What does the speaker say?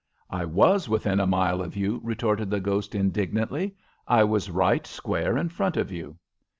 "I was within a mile of you," retorted the ghost, indignantly. "I was right square in front of you."